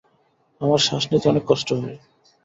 আমার শ্বাস নিতে অনেক কষ্ট হয়।